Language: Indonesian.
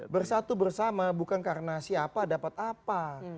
bersatu bersama bukan karena siapa dapat apa